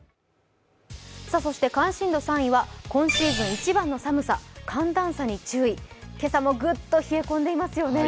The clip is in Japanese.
そして関心度３位は、今シーズン一番の寒さ、寒暖差に注意、今朝もグッと冷え込んでいますよね。